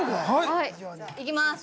◆はい、いきまーす。